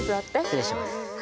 失礼します。